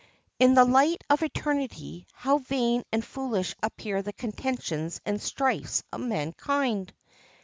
In the light of eternity, how vain and foolish appear the contentions and strifes of mankind!